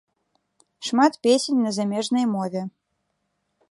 Шмат песень на замежнай мове.